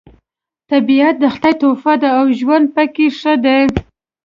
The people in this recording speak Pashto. طبیعت د خدای تحفه ده او ژوند پکې ښه دی